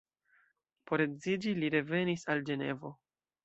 Por edziĝi li revenis al Ĝenevo.